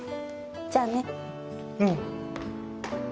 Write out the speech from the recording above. じゃあね。